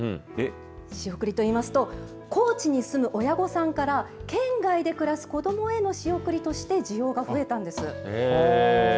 仕送りと言いますと高知に住む親御さんから県外で暮らす子どもへの仕送りとして需要が増えたんです。